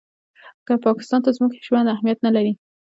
که پاکستان ته زموږ ژوند اهمیت نه لري.